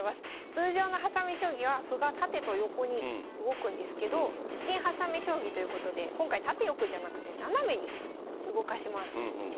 通常のはさみ将棋は歩がタテとヨコに動くんですけど新・はさみ将棋ということで今回タテ・ヨコじゃなくてナナメに動かします。